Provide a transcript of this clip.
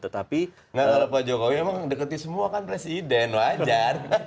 kalau pak jokowi emang dekati semua kan presiden wajar